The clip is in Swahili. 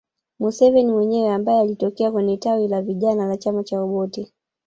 Museveni mwenyewe ambaye alitokea kwenye tawi la vijana la chama cha Obote